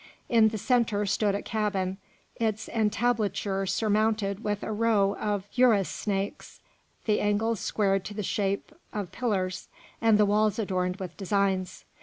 In the centre stood a cabin, its entablature surmounted with a row of uræus snakes, the angles squared to the shape of pillars, and the walls adorned with designs.